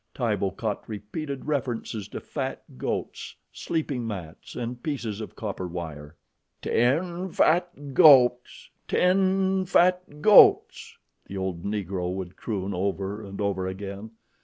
Tibo caught repeated references to fat goats, sleeping mats, and pieces of copper wire. "Ten fat goats, ten fat goats," the old Negro would croon over and over again.